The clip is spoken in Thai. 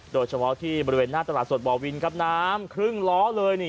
โดยเฉพาะที่บริเวณหน้าตลาดสดบ่อวินครับน้ำครึ่งล้อเลยนี่